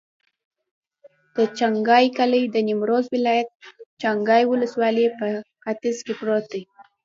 د چنګای کلی د نیمروز ولایت، چنګای ولسوالي په ختیځ کې پروت دی.